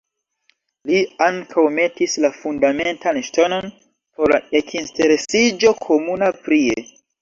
Li ankaŭ metis la fundamentan ŝtonon por la ekinsteresiĝo komuna prie.